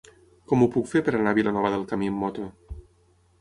Com ho puc fer per anar a Vilanova del Camí amb moto?